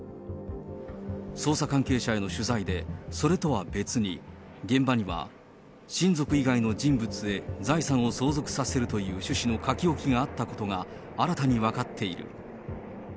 捜査関係者への取材で、それとは別に、現場には、親族以外の人物へ財産を相続させるという趣旨の書き置きがあったことが、新たに分かっている。